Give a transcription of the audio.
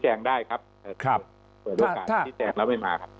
ตามโอกาสชี้แจงได้ครับ